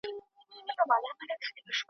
د غمونو سوي چیغي تر غوږونو نه رسیږي .